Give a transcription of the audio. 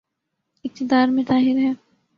اقتدار میں ظاہر ہے۔